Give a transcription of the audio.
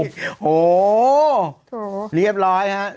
โอ้โหเรียบร้อยฮะ